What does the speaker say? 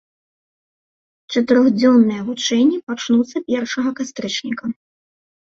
Чатырохдзённыя вучэнні пачнуцца першага кастрычніка.